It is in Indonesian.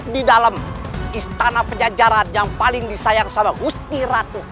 di dalam istana penjajaran yang paling disayang gusti ratu